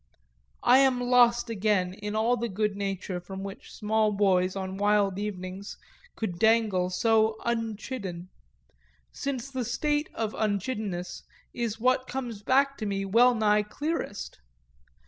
I am lost again in all the goodnature from which small boys, on wild evenings, could dangle so unchidden since the state of unchiddenness is what comes back to me well nigh clearest.